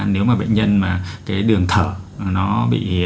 nếu mà bệnh nhân mà cái đường thở nó bị